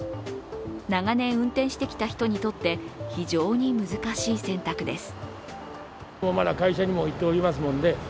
長年運転してきた人にとって非常に難しい選択です。